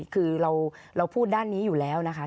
คือเราพูดด้านนี้อยู่แล้วนะคะ